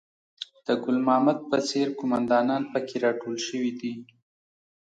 د ګل محمد په څېر قوماندانان په کې راټول شوي دي.